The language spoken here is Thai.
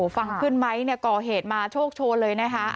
ฟังขึ้นไหมก่อเหตุมาโชคโชนเลยนะคะ